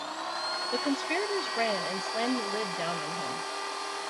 The conspirators ran and slammed the lid down on him.